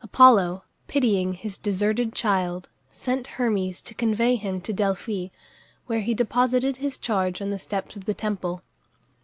Apollo, pitying his deserted child, sent Hermes to convey him to Delphi, where he deposited his charge on the steps of the temple.